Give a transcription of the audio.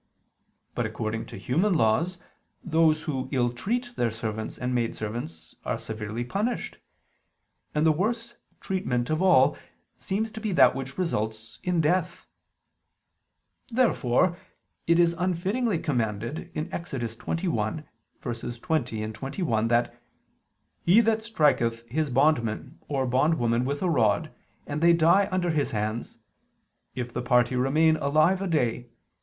But according to human laws those who ill treat their servants and maidservants are severely punished: and the worse treatment of all seems to be that which results in death. Therefore it is unfittingly commanded (Ex. 21:20, 21) that "he that striketh his bondman or bondwoman with a rod, and they die under his hands ... if the party remain alive a day